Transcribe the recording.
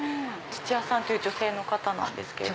土屋さんという女性の方なんです。